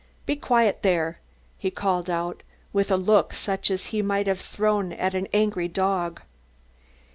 "Be quiet there!" he called, with a look such as he might have thrown at an angry dog.